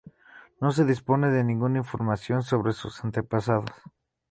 No se dispone de ninguna información sobre sus antepasados.